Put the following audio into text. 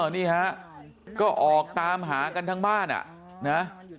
นี่ฮะก็ออกตามหากันทั้งบ้านอ่ะนะ